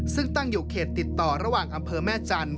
ซึ่งตั้งอยู่เขตติดต่อระหว่างอำเภอแม่จันท